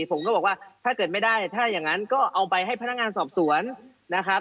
ผมก็บอกว่าถ้าเกิดไม่ได้ถ้าอย่างนั้นก็เอาไปให้พนักงานสอบสวนนะครับ